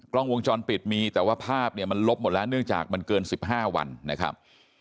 กล้องวงจรปิดมีแต่ว่าภาพเนี่ยมันลบหมดแล้วเนื่องจากมันเกิน๑๕วันนะครับ